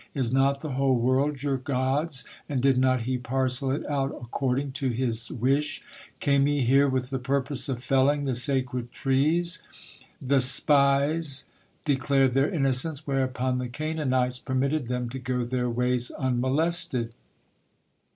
Is not the whole world your God's, and did not He parcel it out according to His wish? Came ye here with the purpose of felling the sacred trees?" The spied declared their innocence, whereupon the Canaanites permitted them to go their ways unmolested.